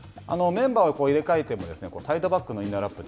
メンバーを入れ替えてもサイドバックのインナーラップ